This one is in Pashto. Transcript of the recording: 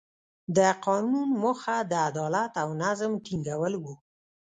د قانون موخه د عدالت او نظم ټینګول وو.